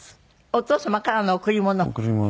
お父様からの贈り物？